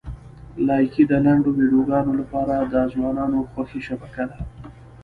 لایکي د لنډو ویډیوګانو لپاره د ځوانانو خوښې شبکه ده.